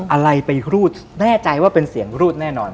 อะไรไปรูดแน่ใจว่าเป็นเสียงรูดแน่นอน